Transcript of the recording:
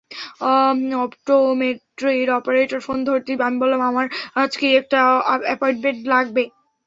অপটোমেট্রির operator phone ধরতেই আমি বললাম, আমার আজকেই একটা অ্যাপয়েন্টমেন্ট লাগবে।